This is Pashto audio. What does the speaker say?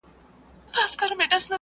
مادي ژبه زده کړه اسانه کوي.